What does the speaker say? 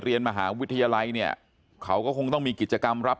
เรียนมหาวิทยาลัยเนี่ยเขาก็คงต้องมีกิจกรรมรับ